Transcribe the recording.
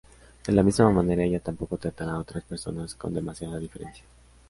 De la misma manera, ella tampoco tratará a otras personas con demasiada deferencia.